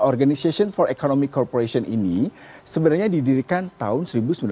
organization for economic cooperation ini sebenarnya didirikan tahun seribu sembilan ratus enam puluh satu